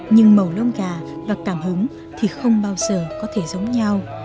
nhưng màu lông gà và cảm hứng thì không bao giờ có thể giống nhau